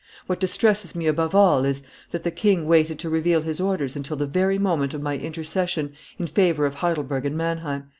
What distresses me above all is, that the king waited to reveal his orders until the very moment of my intercession in favor of Heidelberg and Manheim.